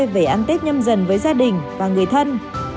về ăn tết nhân dân với gia đình và người thân